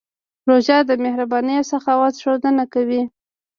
روژه د مهربانۍ او سخاوت ښودنه کوي.